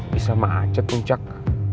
bisa macet puncak